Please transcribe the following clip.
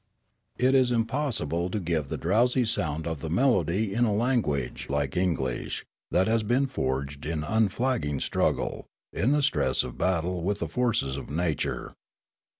It is impossible to give the drowsy sound of the melody in a language, like English, that has been forged in unflagging struggle, in the stress of battle with the forces of nature.